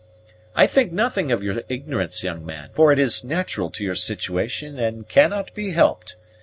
I think nothing of your ignorance, young man; for it is natural to your situation, and cannot be helped.